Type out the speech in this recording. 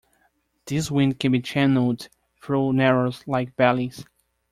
This wind can be channeled through narrows, like valleys.